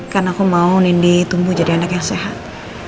karena aku mau nindy tumbuh jadi anak yang sehat